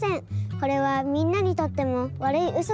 これはみんなにとってもわるいウソだと思います。